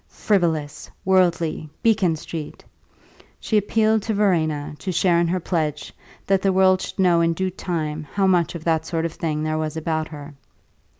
Frivolous, worldly, Beacon Street! She appealed to Verena to share in her pledge that the world should know in due time how much of that sort of thing there was about her.